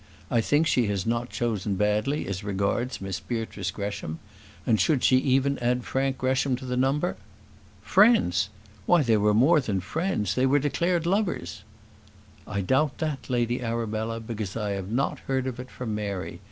I think she has not chosen badly as regards Miss Beatrice Gresham; and should she even add Frank Gresham to the number " "Friends! why they were more than friends; they were declared lovers." "I doubt that, Lady Arabella, because I have not heard of it from Mary.